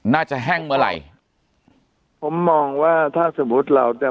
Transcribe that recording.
น่าจะแห้งเมื่อไหร่ผมมองว่าถ้าสมมติเราเนี้ย